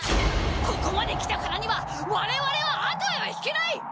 ここまで来たからにはわれわれは後へは引けない！